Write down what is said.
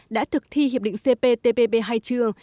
đã thực thi hiệp định cptpp hay chưa